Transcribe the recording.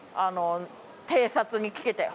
偵察に来てたよ